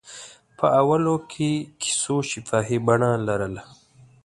په اوله کې کیسو شفاهي بڼه لرله.